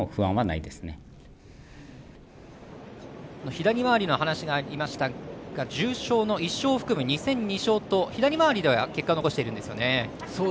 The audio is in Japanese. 左回りの話がありましたが重賞の１勝を含む２戦２勝と左回りでは結果を残しているんですよね。